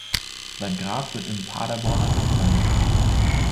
Sein Grab wird im Paderborner Dom vermutet.